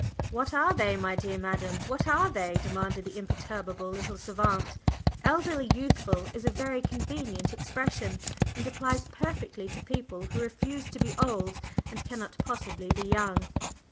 '" "What are they, my dear madam, what are they?" demanded the imperturbable little savant. "'Elderly youthful' is a very convenient expression, and applies perfectly to people who refuse to be old and cannot possibly be young."